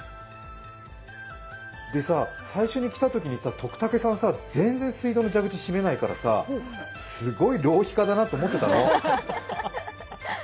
最初に来たときに徳竹さん全然水道の蛇口締めないからさすごい浪費家だなと思ってたの。